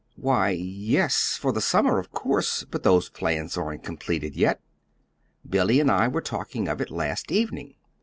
"Why, yes, for the summer, of course. But those plans aren't completed yet. Billy and I were talking of it last evening.